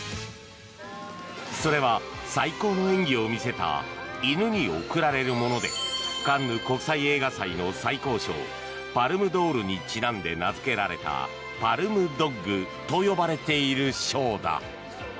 それは、最高の演技を見せた犬に贈られるものでカンヌ国際映画祭の最高賞パルム・ドールにちなんで名付けられたパルム・ドッグと呼ばれている賞だ。